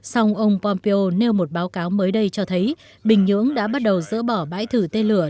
song ông pompeo nêu một báo cáo mới đây cho thấy bình nhưỡng đã bắt đầu dỡ bỏ bãi thử tên lửa